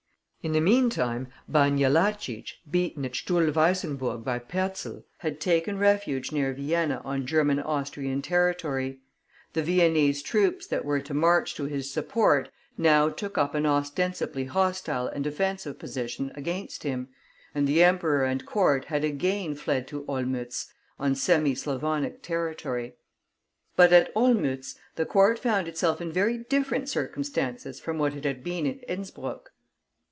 In the meantime, Ban Jellachich, beaten at Stuhlweissenburg by Perczel, had taken refuge near Vienna on German Austrian territory; the Viennese troops that were to march to his support now took up an ostensibly hostile and defensive position against him; and the emperor and court had again fled to Olmütz, on semi Slavonic territory. But at Olmütz the Court found itself in very different circumstances from what it had been at Innspruck.